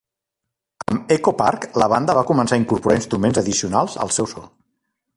Amb "Echo Park", la banda va començar a incorporar instruments addicionals al seu so.